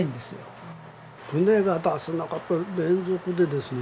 船が出せなかった連続でですね